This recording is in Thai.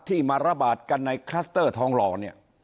ที่มาระบาดกันในคลัสเตอร์ทองหล่อเนี่ย